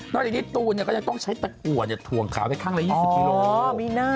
จากนี้ตูนก็ยังต้องใช้ตะกัวถ่วงขาวไปข้างละ๒๐กิโล